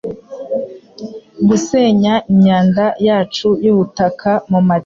gusenya imyanda yacu yubutaka mumatiku